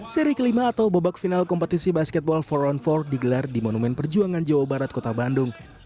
seri kelima atau babak final kompetisi basketball for on empat digelar di monumen perjuangan jawa barat kota bandung